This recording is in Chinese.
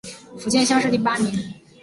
福建乡试第八名。